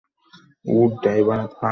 শীতে কাঁপছে তার হাত।